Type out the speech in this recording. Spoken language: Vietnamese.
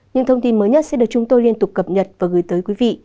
những thông tin mới nhất sẽ được chúng tôi liên tục cập nhật và gửi tới quý vị